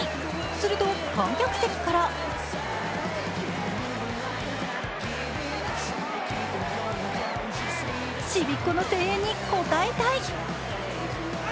すると、観客席からちびっ子の声援に応えたい！